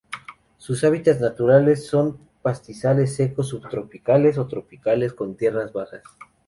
Sus hábitats naturales son pastizales secos subtropicales o tropicales con tierras bajas.